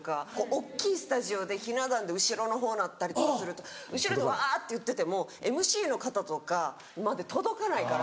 大っきいスタジオでひな壇で後ろの方なったりとかすると後ろでわ！って言っててもＭＣの方とかまで届かないから。